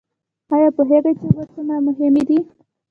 ایا پوهیږئ چې اوبه څومره مهمې دي؟